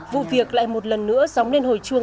vụ việc lại một lần nữa dóng lên hồi chuông